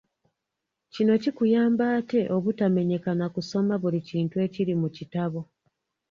Kino kikuyamba ate obutamenyeka na kusoma buli kintu ekiri mu kitabo.